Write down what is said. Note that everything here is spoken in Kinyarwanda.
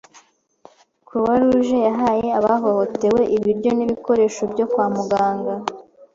Croix-Rouge yahaye abahohotewe ibiryo n'ibikoresho byo kwa muganga.